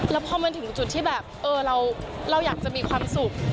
แล้วพอมันถึงจุดที่แบบเราอยากจะมีความสุข